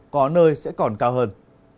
có nơi sẽ còn cao hơn